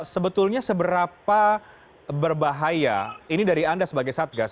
sebetulnya seberapa berbahaya ini dari anda sebagai satgas